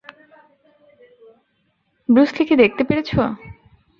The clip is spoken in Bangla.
ব্রুস লি-কে দেখতে পেরেছ?